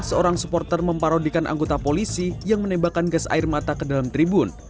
seorang supporter memparodikan anggota polisi yang menembakkan gas air mata ke dalam tribun